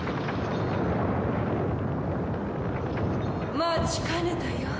待ちかねたよ。